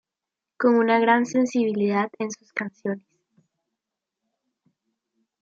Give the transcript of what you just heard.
Con una gran sensibilidad en sus canciones.